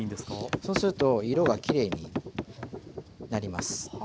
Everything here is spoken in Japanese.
そうすると色がきれいになります。